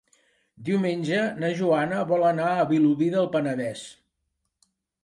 Diumenge na Joana vol anar a Vilobí del Penedès.